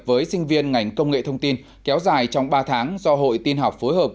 với sinh viên ngành công nghệ thông tin kéo dài trong ba tháng do hội tin học phối hợp